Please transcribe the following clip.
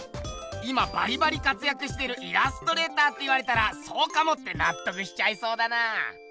今バリバリかつやくしてるイラストレーターって言われたら「そうかも」ってなっとくしちゃいそうだな。